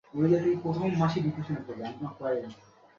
কি বলব, ওম?